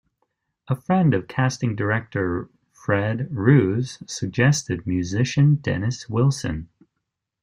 A friend of casting director Fred Roos suggested musician Dennis Wilson.